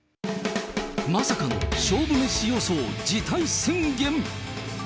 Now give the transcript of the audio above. まさかの勝負メシ予想辞退宣言。